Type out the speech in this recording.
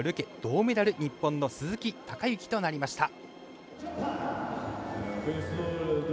銅メダル日本の鈴木孝幸となりました。